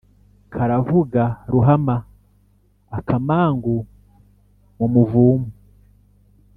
Karavuga ruhama-Akamangu mu muvumu.